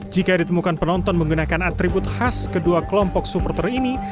jika ditemukan penonton menggunakan atribut khas kedua kelompok supporter ini